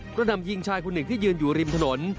กระนำยิงชายคนหนึ่งที่ยืนอยู่ริมถนน